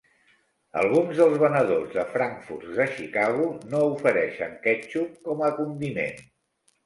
Alguns dels venedors de frankfurts de Chicago no ofereixen quètxup com a condiment.